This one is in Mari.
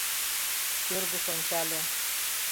Кӧргыш ончале.